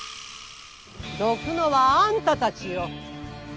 どくのはあんたたちよ。